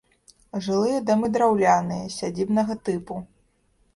Жылыя дамы драўляныя, сядзібнага тыпу.